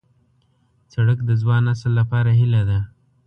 سړک د ځوان نسل لپاره هیله ده.